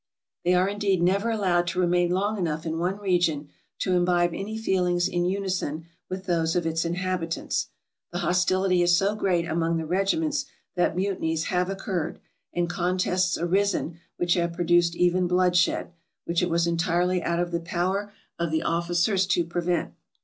They are, indeed, never allowed to remain long enough in one region to imbibe any feelings in unison with those of its inhabitants. The hostility is so great among the regi ments that mutinies have occurred, and contests arisen which have produced even bloodshed, which it was entirely out of the power of the officers to prevent.